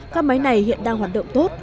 các máy này hiện đang hoạt động tốt